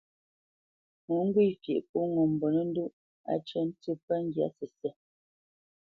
Ŋo ŋgwê fyeʼ pô ŋo mbolə́ndóʼ, á cə̂ ntî pə́ ŋgyǎ səsya.